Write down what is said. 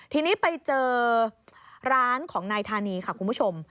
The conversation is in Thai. ทีนี้ไปเจอร้านของนายธานีค่ะคุณผู้ชม